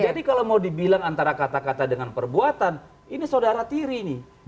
jadi kalau mau dibilang antara kata kata dengan perbuatan ini sodara tiri nih